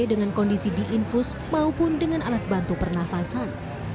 dengan kondisi diinfus maupun dengan alat bantu pernafasan